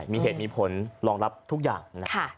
มีเหตุมีผลรองรับทุกอย่างนะครับ